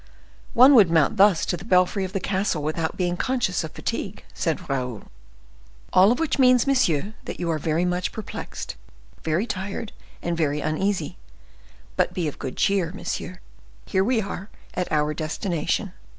"One would mount thus to the belfry of the castle without being conscious of fatigue," said Raoul. "All of which means, monsieur, that you are very much perplexed, very tired, and very uneasy. But be of good cheer, monsieur; here we are, at our destination."